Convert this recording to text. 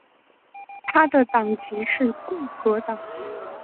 他的党籍是共和党。